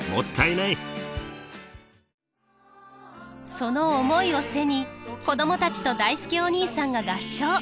その思いを背に子供たちとだいすけお兄さんが合唱！